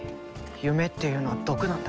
夢っていうのは毒なんだ。